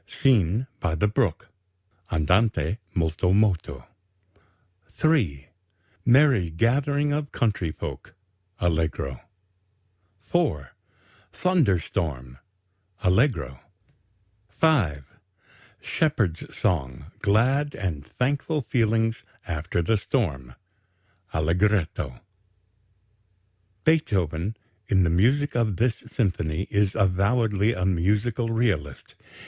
SCENE BY THE BROOK (Andante molto moto) 3. MERRY GATHERING OF COUNTRY FOLK (Allegro) 4. THUNDER STORM (Allegro) 5. SHEPHERD'S SONG; GLAD AND THANKFUL FEELINGS AFTER THE STORM (Allegretto) Beethoven in the music of this symphony is avowedly a musical realist.